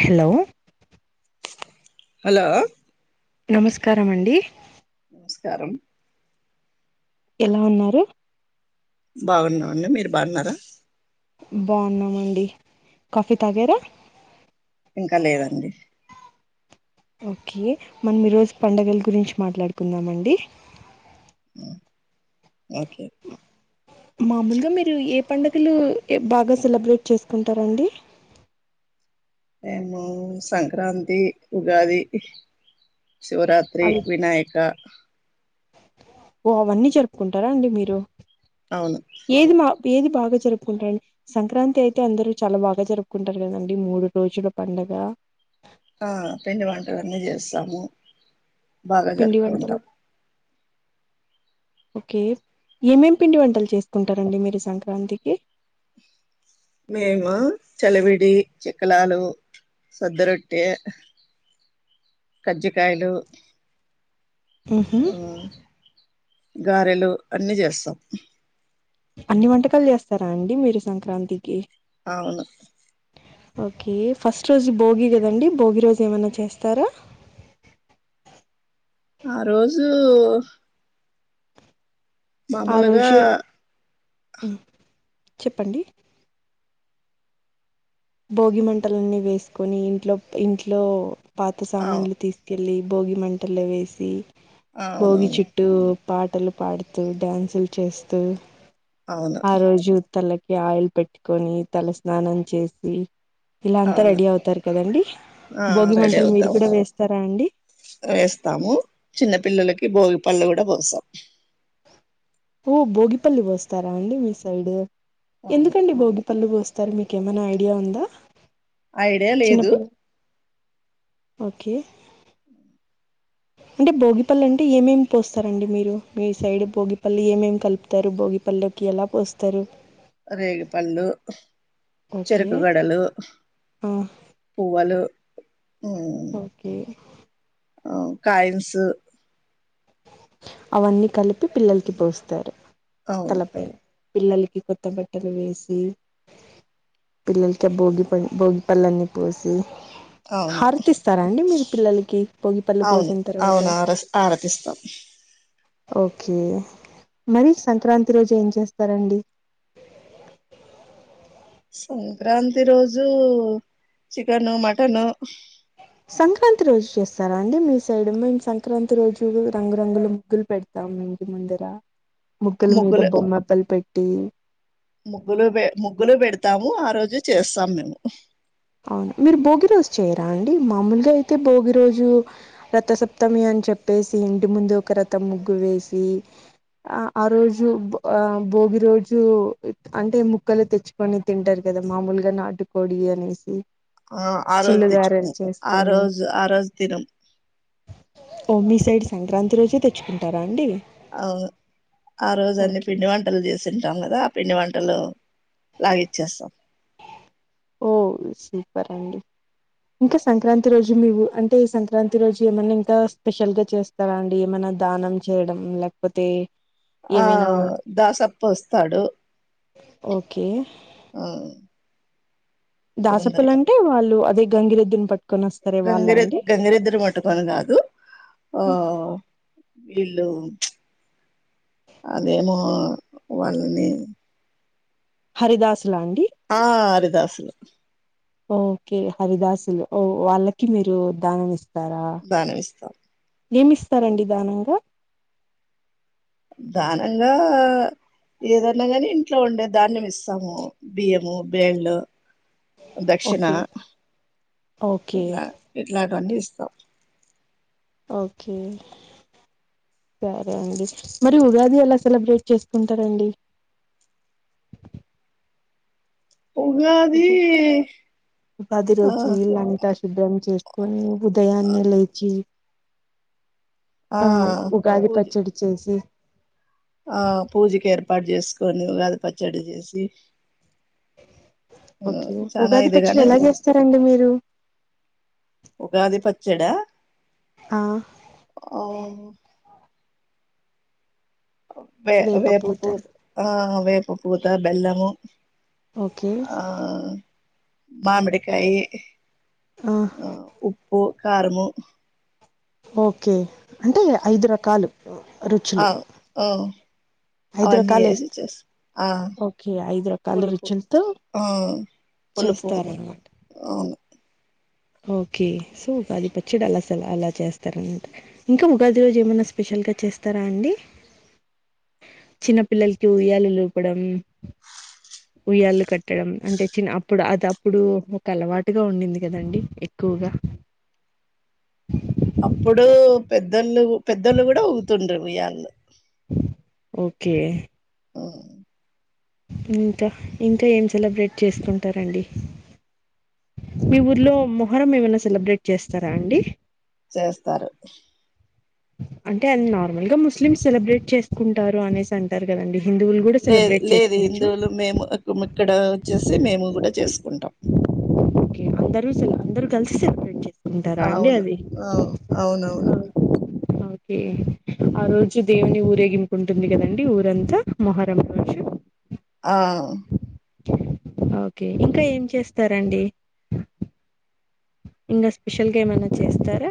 Hello hello నమస్కారమండి స్కారం ఎలా ఉన్నారు బాగున్నామండి మీరు బాన్నారా బాన్నామండి కాఫీ తాగారా ఇంకా లేదండి ఓకే మనం ఈరోజు పండగలు గురించి మాట్లాడుకుందామండి ఓకే మామూలుగా మీరు ఏ పండుగలు బాగా సెలబ్రేట్ చేసుకుంటారంండి మేము సంక్రాంతి ఉగాది శివరాత్రి అవి వినాయక ఓ అవన్నీ జరుపుకుంటారా అండి మీరు అవును ఏది మా ఏది బాగా జరుపుకుంటారండి సంక్రాంతి అయితే అందరూ చాలా బాగా జరుపుకుంటారు కదండి మూడు రోజుల పండగ ఆ పిండి వంటలన్నీ జేస్తాము బాగా పిండి వంటలు జరుపుకుంటాం ఓకే ఏమేమి పిండి వంటలు చేసుకుంటారండి మీరు సంక్రాంతికి మేము చలివిడి చెక్కలాలు సద్దరొట్టె కజ్జికాయలు ఉహు ఆ గారెలు అన్ని జేస్సాం అన్ని వంటకాలు జేస్తారా అండి మీరు సంక్రాంతికి అవును ఓకే ఫస్ట్ రోజు భోగి గదండి భోగి రోజు ఏమైనా చేస్తారా ఆ రోజు ఆ మామూలుగా రోజు చెప్పండి భోగి మంటలన్నీ వేసుకొని ఇంట్లో ఇంట్లో పాత అవు సామాన్లు తీసుకెల్ లి బోగి మంటల్లో వేసి అవునవును బోగిచిట్టు పాటలు పాడుతూ డ్యాన్సులు చేస్తూ అవును ఆ రోజూ తలకి ఆయిల్ పెట్టుకొని తల స్నానం చేసి మీ ఇలా అంతా అవును రెడీ అవుతారు కదండి ఆ భోగి రెడీ మంటలు మీరు అవుతాం కూడా వేస్తారా అండి వేస్తాము చిన్న పిల్లలకి భోగి పండ్లు గూడా బోస్సాం ఓ భోగిపల్లు బోస్తారా అండి మీ సైడ్ అవును ఎందుకండి బోగి పళ్ళు పోస్తారు మీకేమైనా ఐడియా ఉందా ఐడియా లేదు చిన్నపిల్ల ఓకే అంటే భోగిపళ్ళు అంటే ఏమేమి పోస్తారండి మీరు మీ సైడ్ భోగిపళ్ళు ఏమేమి కలుపుతారు భోగిపళ్లకి ఎలా పోస్తారు రేగిపళ్ళు ఓకే చెరుకుగడలు ఆ, పువ్వలు ఉమ్ ఓకే ఆ క ఐమ్స్ అవన్నీ కలిపి పిల్లలకి పోస్తారు. అవును తలపైన పిల్లలకి కొత్త బట్టలు వేసి పిల్లలకి భోగిప భోగిపళ్లన్ని పోసి అవును హరతిస్తారాండి మీరు పిల్లలకి పొగిపళ్ళు అవును పోసిన తర్వాత అవును ఆర ఆరతిస్తాం ఓకే మరి సంక్రాంతి రోజు ఏం చేస్తారండి. సంక్రాంతి రోజు చికెను మటను సంక్రాంతి రోజు చేస్సారా అండి. మీ సైడ్ మేము సంక్రాంతి రోజు రంగురంగులు ముగ్గులు పెడతాము. ఇంటి ముందర ముగ్గుల మీద ముగ్గులు బొమ్మప్పలు పె ట్టి ముగ్గులు పె ముగ్గులు పెడతాము. ఆ రోజు చేస్సాం మేము ఉహ్ అవునా మీరు భోగి రోజు చేయరా అండి మామూలుగా అయితే భోగి రోజు రథసప్తమి అని చెప్పేసి, ఇంటి ముందు ఒక రథం ముగ్గు వేసి, ఆ ఆ రోజు భో ఆ భోగి రోజు అంటే ముక్కలు తెచ్చుకొని తింటారు. కదా మామూలుగా నాటుకోడి అనేస్ ఇ ఆ ఆ రోజు తెచ్చికొం‌. ఆ రోజు ఆ రోజు తినం ఓ మీ సైడ్ సంక్రాంతి రోజే తెచ్చుకుంటారా అండి. అవు ఆ రోజ అన్ని ఓకే పిండి వంటలు చే సింటాం కదా ఆ పిండి వంటలు లాగించేస్సాం. ఓ సూపర్ అండి. ఇంకా సంక్రాంతి రోజు మీవు అంటే సంక్రాంతి రోజు ఏమన్నా ఇంకా స్పెషల్ గా చేస్తారా అండి. ఏమైనా దానం చేయడం లేకపోతే ఆ ఏమైనా దాసప్ప వస్తాడు. ఓకే ఉ దాసప్పలంటే వాళ్ళు అది గంగిరెద్దున్ పట్ గంగిరెద్ గంగిరెద్దును పట్టుకొని కాదు. ఆ వీళ్ళు ప్చ్ అదేమో వాళ్ళని హరిదాస్ ఆ హర్ దాసలు ఓకే హరిదాసులు ఓ వాళ్ళకి మీరు దానం ఇస్ దానమిస్తాం. ఏమిస్తారండి దానంగా దానంగా ఏదన్నాగాని ఇంట్లో ఉండే దాన్యం ఇస్సాము. బియ్యము బేడ్లు దక్షిణ ఓకే ఓకే ఇట్లా ఇట్లా అన్ని ఇస్తా ఓకే సరే అండి మరి ఉగాది ఎలా సెలబ్రేట్ చేసుకుంటారండి. ఉగాది ఉగాది ఆ రోజు ఇల్లంతా శుభ్రం చేసుకొని ఉదయాన్నే లేచి ఆ ఉగాది పూజ పచ్చడి చేసి ఆ పూజకు ఏర్పాటు చేసుకొని ఉగాది పచ్చడి చేసి ఆ ఓకే చానా ఉగాది పచ్చడి ఇదిగానే ఎలా చేస్తారండి మీరు చ్చాడ ఆ ఆవును వే వేప పూత ఆ వేప పూత బెల్లము ఓకే ఆ మామిడికాయి ఆ ఉప్పు కారము ఓకే అంటే ఐదు రకాలు రుచులు అవు ఓ ఐదు రకాలు వేస్త ఆ ఓకే ఐదు రకాల పులుపు రుచలతో ఆ పులుపు చేస్తారనమాట అవును ఓకే సో ఉగాది పచ్చడి అలా స అలా చేస్తారనమాట ఇంకా ఉగాది రోజు ఏమైనా స్పెషల్గా చేస్తారా అండి చిన్నపిల్లలకి ఉయ్యాాల లోపడం ఉయ్యాళ కట్టడం అంటే చిన్న అప్పుడు అది అప్పుడు ఒక అలవాటుగా ఉండింది కదండి ఎక్కువగా అప్పుడు పెద్దళ్లుు పెద్దళ్లుు కూడా ఊగుతుండ్రి ఊయ్యాళు ఓకే హూ ఇంకా ఇంకా ఏం సెలబ్రేట్ చేసుకుంటారండి మీ ఊర్లో మొహరం ఏమనా సెలబ్రేట్ చేస్తారా అండి చేస్తారు అంటే అది నార్మల్గా ముస్లిమ్స్ సెలబ్రేట్ చేసుకుంటారు అనేసి అంటారు కదండి హిందువులు కూడా లేదు సెలబ్రేట్ లేదు చేసుకోవచ్చు హిందువులు మేము ఇక్కడ వచ్చేసి మేము కూడా చేసుకుం కుంటాం ఓకే అందరూ సెల అందరూ కలిసి సెలబ్రేట్ చే అవును ఆవు అవునవును ఓకే ఆ రోజు దేవుని ఊరేగింకుంటుంది కదండి ఊరంతా మొహరం రోజు ఆ ఓకే ఇంకా ఏం చేస్తారండి ఇంకా స్పెషల్గా ఏమనా చేస్తారా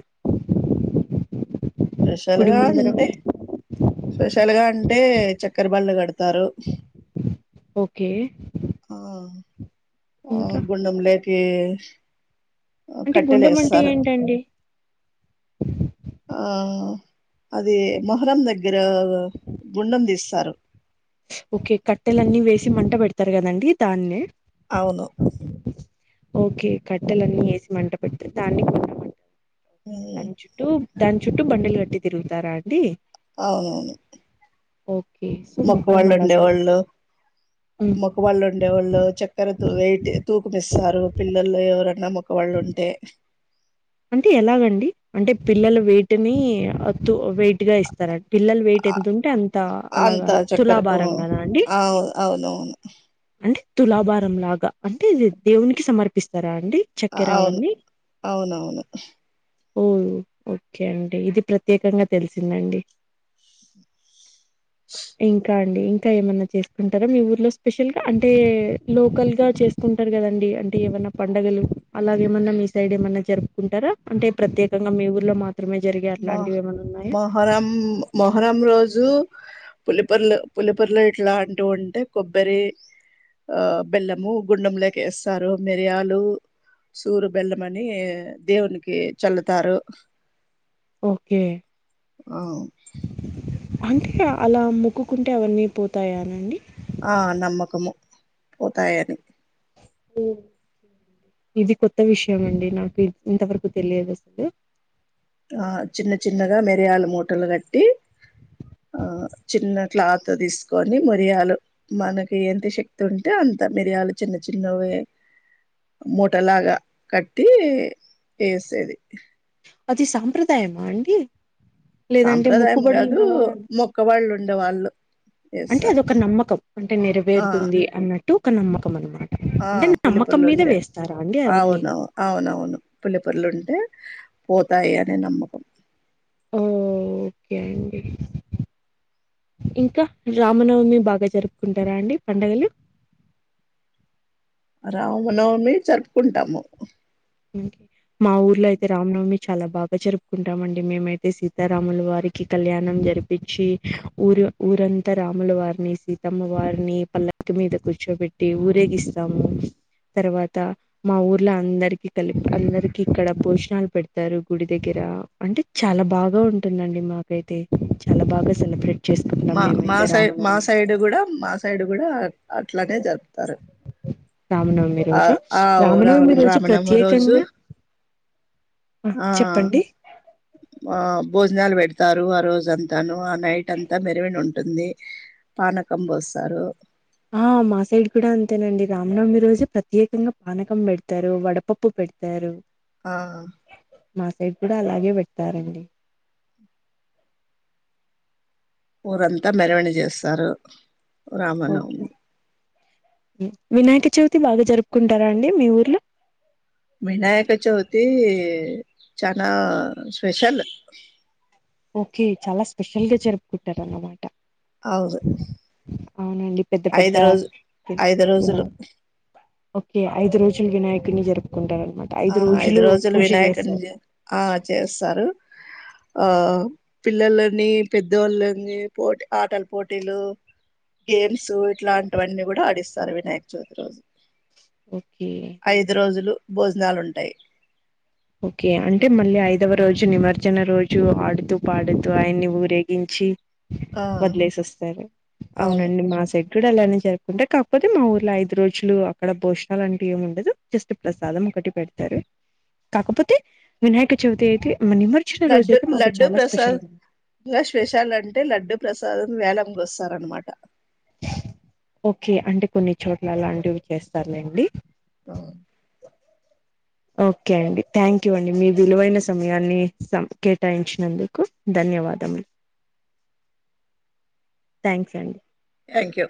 స్పెషల్ గుడి గా ముందర అంటే స్పెషల్ గా అం టే చెక్కర బళ్ళు కడ్ తరూ ఓకే ఆ ఆ ఇంకా గుండం లేట్ కే అంటే గుండెం అంటే ఏంటండి ఆ అది మొహరం దగ్గర గుండం తీస్తారు ఓకే కట్టెలన్నీ వేసి మంట పెడతారు కదండి దాన్ని అవును ఓకే కట్టెలన్నీ వేసి మంట పెడితే దాన్ని కొన్నామంట ఉమ్, కేని చటు దాని చుట్టూ బండలు కట్టి తిరుగుతారా అండి అవునవును ఓకే సో మొహరం మొక్కవాళ్ళు అలా అసలు ఉండేవాళ్ళు ఉమ్ మొక్కవాళ్ళు ఉండేవాళ్ళు చక్కర వెయిటి తూకుమిస్తారు పిల్లలు ఎవరన్నా మొక్క వాళ్ళుంటే అంటే ఎలాగండి అంటే పిల్లల వెయిటిని అ వేట్ గట్గా ఇస్తారండి పిల్లల వెయిట్ ఆ, ఎతు ఉంటే అంత అలాగా అంత చక్కర తులాభారం కదా అండి అవును అవునవును అంటే తులాభారం లాగా అంటే ఇది దేవునికి సమర్పిస్తారు రా అండి అవును చక్కెరావన్నీ అవునవును ఓ ఓకే అండి ఇది ప్రత్యేకంగా తెలిసిందండి ఇంకా ఇంకా ఏమన్నా చేసుకుంటారా మీ ఊర్లో స్పెషల్ ల్ అంటే లోకల్ గా చేసుకుంటారు కదండి అంటే ఏమన్నా పండగలు అలాగ ఏమన్నా మీ సైడ్ ఏమన్నా జరుపుకుంటారా అంటే ప్రత్యేకంగా మీ ఊర్లో మాత్ర మ మహరమ్ మహరమ్ రోజ రజు పులిపొర్లు పులిపొర్లు ఇట్లాంటివి ఉంటే కొబ్బరి ఆ బెల్లము గుండం లేక వేస్తారు మిరియాలు సూరు బెల్లం అని దేవునికి చల్లుతారు ఓకే అ అంటే అలా మొక్కుకుంటే అవన్నీ పోతాయానండి ఆ నమ్మకము పోతాయని ఇది కొత్త విషయం అండి నాకు ఇంతవరకు తెలియదు అసలు ఆ చిన్న చిన్నగా మెరియాల మూట మూటలు కట్టి ఆ చిన్న క్లాత్ తీసుకొని మరియాలు మనకి ఏంత శక్తి ఉంటే అంత మిరియాలు చిన్న చిన్న మూటలాగా కట్టి వేసేది అది సాంప్రదాయమా అండి లేదంటే సాంప్రదాయం మొక్కుబడులు కాదు ఉన్నవారు మొక్కవాళ్ళు ఉండేవాళ్ళు అంటే అదొక నమ్మకం అంటే ఆ నెరవేరుతుంది అన్నట్టు టూకన్న మకమ్మా ఆ పిల్లిపర్లు ఉండే అండి అవన్నీ అవునవు అవునవును పుల్లిపర్లుంటే పోతాయినే నమ్మకం ఓకే అండి రావనవమి జరుపుకుంటాము మా ఊర్లో అయితే రామ్నవమి చాలా బాగా జరుపుకుంటామండి మేమైతే సీతారాముల వారికి కళ్యాణం జరిపించి ఊరు ఊరంతా రాముల వారిని సీతమ్మ వారిని పల్లకి మీద కూర్చోబెట్టి ఊరేగిస్తాము తర్వాత మా ఊర్లో అందరికి కలిపి అందరికిక్కడ భోజనాలు పెడతారు గుడి దగ్గర అంటే చాలా బాగా ఉంటుందండి మాకైతే చాలా బాగా సెలబ్రేట్ చేసుకుంటాం మా మా మేమైతే సై మా రామనవమి. సైడు కూడా మా సైడు కూడా అట్లనే జరుపుతారు రామనవమి రోజు ఆ ఔ రా రామనవమి రోజు రామనవమి రోజు ప్రత్యేకంగా ఆ ఆ భోజనాలు పెడతారు ఆ రోజు అంతాను ఆ నైట్ అం త మెరవణి ఉంటుంది పానకం పోస్తారు ఆ మా సైడ్ కూడా అంతేనండి రామనవమి రోజు ప్రత్యేకంగా పానకం పెడతారు వడపప్పు పెడతారు ఆ మా సైడ్ కూడా అలాగే పెడ్తారండి ఊరంతా మెరవణి చేస్తారు ఓకే రామనవమి వినాయక చవితి బాగా జరుపుకుంటారా అండి మీ ఊర్లో వినాయక చవితి చనా స్పెషల్ ఓకే చాలా స్పెషల్ గా జరుపుకుంటారన్నమాట అవును అవునండి పెద్ద పెద్ద ఐదు రోజు ఐదు రోజులు వినాయక్ ఓకే ఐదు రోజుల వినాయకుడిని జరుపుకుంటారు అనమాట ఆ ఐదు రోజులు పూజ చేస్తారు వినాయకుడిని ఆ చేస్తారు ఆ పిల్లోలని పెద్దోళ్ళని పోటీ ఆటల పోటీలు గేమ్స్ ఇట్లాంటివన్నీ కూడా ఆడిస్ తరు వినాయక చవితి రోజు ఓకే భోజ్ నాలుంటాయ్ ఓకే అంటే మళ్ళీ ఐదవ రోజు నిమజ్జన రోజు ఆడుతూ పాడుతూ ఆయన్ని ఊరేగించి ఆ వదిలేసొస్తారు అవును అవునండి మా సైడ్ గూడ లానే జరుపుకుంటే కాకపోతే మా ఊర్లో ఐదు రోజులు అక్కడ భోజనాలంటూ ఏముండదు జస్ట్ ప్రసాదం ఒకటి పెడతారు కాకపోతే వినాయకచవితైతే లడ్డు లడ్డు ప్రసాదంగ స్పెషాలు అంటే లడ్డు ప్రసాదం వేలం గొస్తారనమాట ఓకే అంటే కొన్ని చోట్ల అలాంటివివి చేస్తారులేండి అవు ఓకే అండి థ్యాంక్ యూ అండి మీ విలువైన సమయాన్ని కేటాయించినందుకు ధన్యవాదములు థ్యాంక్స్ అండి థ్యాంక్ యూ